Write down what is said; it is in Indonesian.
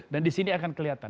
dan disini akan kelihatan